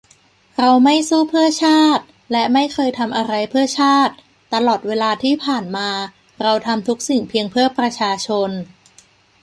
เราไม่สู้เพื่อชาติและไม่เคยทำอะไรเพื่อชาติ ตลอดเวลาที่ผ่านมาเราทำทุกสิ่งเพียงเพื่อประชาชน